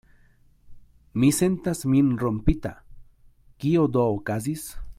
Mi sentas min rompita: kio do okazis?